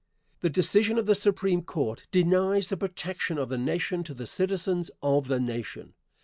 The decision of the Supreme Court denies the protection of the Nation to the citizens of the Nation.